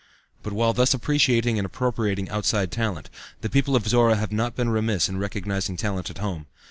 But while thus appreciating and appropriating outside talent, the people of Zorra have not been remiss in recognizing talent at home.